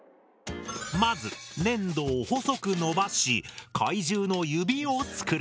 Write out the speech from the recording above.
まず粘土を細く伸ばし怪獣の指を作る。